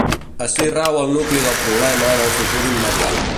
Ací rau el nucli del problema en el futur immediat.